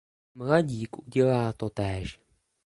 Mladík udělá totéž.